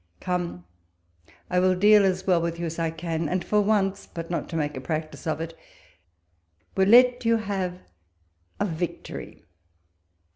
Come, I will deal as well with you as I can, and for once, but not to make a practice of it, will let you have a victory